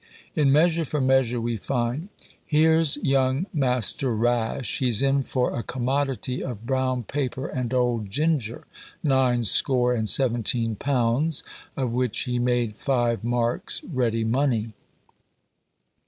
In Measure for Measure we find, "Here's young Master Rash, he's in for a commodity of brown paper and old ginger, nine score and seventeen pounds; of which he made five marks ready money."